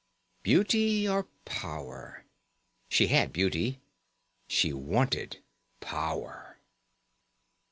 Beauty or power? She had beauty. She wanted power.